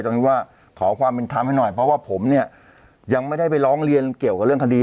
ตอนนี้ว่าขอความเป็นธรรมให้หน่อยเพราะว่าผมเนี่ยยังไม่ได้ไปร้องเรียนเกี่ยวกับเรื่องคดี